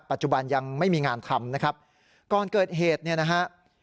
ปัจจุบันยังไม่มีงานทำนะครับก่อนเกิดเหตุเนี่ยนะฮะ